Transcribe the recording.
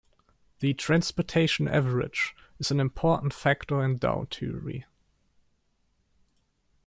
The Transportation Average is an important factor in Dow theory.